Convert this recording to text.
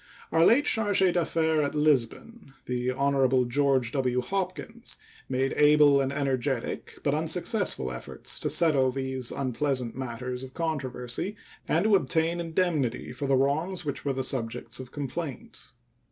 Our late charge d'affaires at Lisbon, the Hon. George W. Hopkins, made able and energetic, but unsuccessful, efforts to settle these unpleasant matters of controversy and to obtain indemnity for the wrongs which were the subjects of complaint.